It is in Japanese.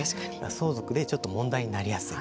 相続でちょっと問題になりやすい。